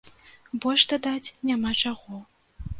Больш дадаць няма чаго.